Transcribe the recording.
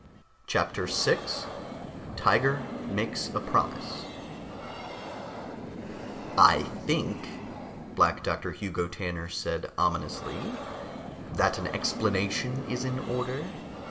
CHAPTER 6 TIGER MAKES A PROMISE "I think," Black Doctor Hugo Tanner said ominously, "that an explanation is in order.